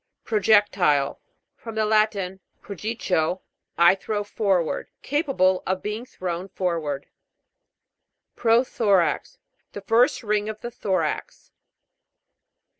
PRO'JECTILE. From the Latin, pro jicio, I throw forward. Capable of being thrown forward. PROTHO'RAX. The first ring of the thorax.